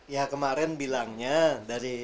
ya kemarin bilangnya dari